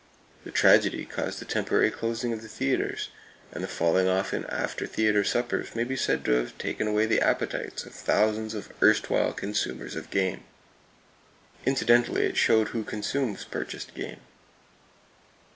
The tragedy caused the temporary closing of the theaters, and the falling off in after theater suppers may be said to have taken away the appetites of thousands of erstwhile consumers of game. Incidentally it showed who consumes purchased game.